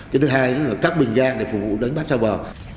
cái thứ hai là cắt bình ra để phục vụ đánh bắt xa bờ